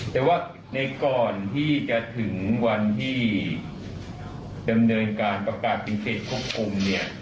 แต่ว่าในก่อนที่จะถึงวันที่ดำเนินการประกาศปฏิเสธควบคุมเนี่ย